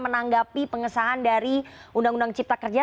menanggapi pengesahan dari undang undang cipta kerja